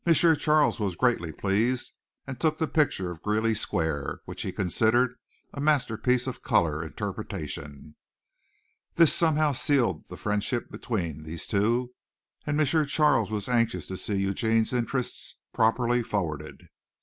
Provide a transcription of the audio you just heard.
Charles was greatly pleased, and took the picture of Greeley Square, which he considered a masterpiece of color interpretation. This somehow sealed the friendship between these two, and M. Charles was anxious to see Eugene's interests properly forwarded.